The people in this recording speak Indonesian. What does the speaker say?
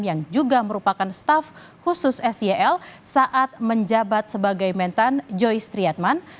yang juga merupakan staff khusus sel saat menjabat sebagai mentan joy triatman